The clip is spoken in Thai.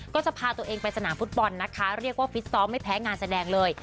ก็จะพาตัวเองไปสนามฟุตบอลนะคะเรียกว่าฟิตซ้อมไม่แพ้งานแสดงเลย